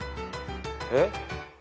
えっ？